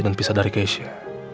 dan pisah dari keisha